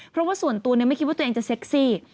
เพราะว่าส่วนตัวไม่คิดว่าตัวเองจะเซ็กซี่